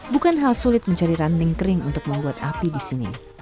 bukan hal sulit mencari ranting kering untuk membuat api di sini